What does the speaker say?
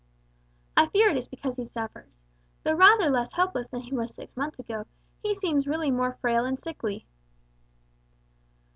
"I fear it is because he suffers. Though rather less helpless than he was six months ago, he seems really more frail and sickly."